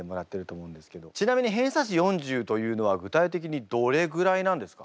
ちなみに偏差値４０というのは具体的にどれぐらいなんですか？